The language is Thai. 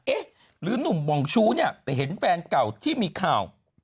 เอ๊ะหรือหนุ่มบองชู้เนี่ยไปเห็นแฟนเก่าที่มีข่าว